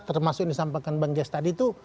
termasuk yang disampaikan bang jazz tadi itu